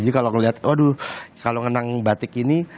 jadi kalau ngeliat aduh kalau ngenang batik ini